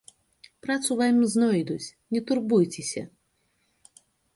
Працу вам знойдуць, не турбуйцеся!